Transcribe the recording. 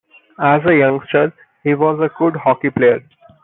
As a youngster, he was a good hockey player.